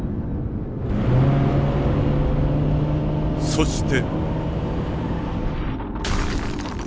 そして。